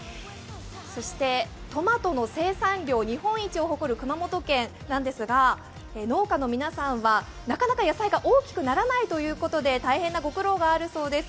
そしてトマトの生産量日本一を誇る熊本県なんですが農家の皆さんは、なかなか野菜が大きくならないということで、大変なご苦労があるそうです。